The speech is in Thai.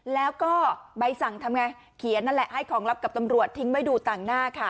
แล้วก็ใบสั่งทำไงเขียนนั่นแหละให้ของลับกับตำรวจทิ้งไว้ดูต่างหน้าค่ะ